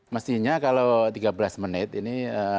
mestinya kalau tiga belas menit ini